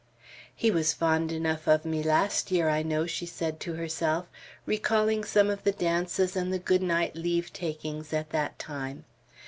"He was fond enough of me last year, I know," she said to herself, recalling some of the dances and the good night leave takings at that time.